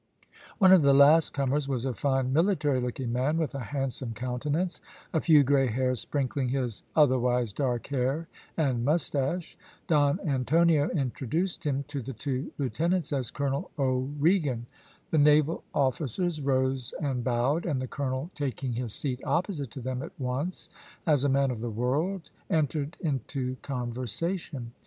One of the last comers was a fine military looking man, with a handsome countenance, a few grey hairs sprinkling his otherwise dark hair and moustache. Don Antonio introduced him to the two lieutenants as Colonel O'Regan. The naval officers rose and bowed, and the Colonel taking his seat opposite to them at once, as a man of the world, entered into conversation.